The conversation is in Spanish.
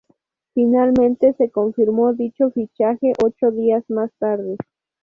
Finalmente se confirmó dicho fichaje ocho días más tarde.